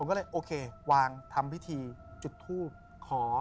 ก็เลยโอเควางทำพิธีจุดทูบขอ